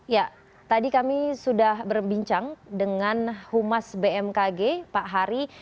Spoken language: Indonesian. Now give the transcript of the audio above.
ya tadi kami sudah berbincang dengan humas bmkg pak hari